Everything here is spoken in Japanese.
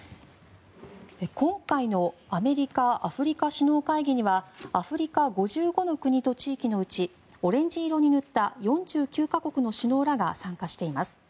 今回のアメリカ・アフリカ首脳会議にはアフリカ５５の国と地域のうちオレンジ色に塗った４９か国の首脳らが参加しています。